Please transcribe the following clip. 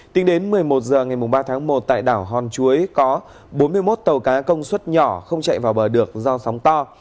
tính đến một mươi một h ngày ba tháng một tại đảo hòn chuối có bốn mươi một tàu cá công suất nhỏ không chạy vào bờ được do sóng to